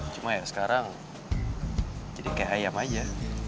cuma ya sekarang jadi kayak ayam aja